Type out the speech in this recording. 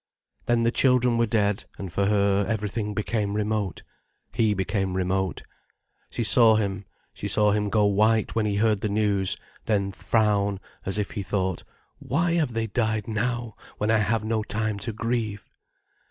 Then the children were dead, and for her, everything became remote. He became remote. She saw him, she saw him go white when he heard the news, then frown, as if he thought, "Why have they died now, when I have no time to grieve?"